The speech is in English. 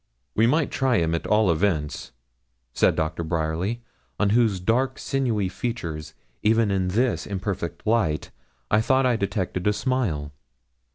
'We might try him at all events,' said Doctor Bryerly, on whose dark sinewy features, even in this imperfect light, I thought I detected a smile.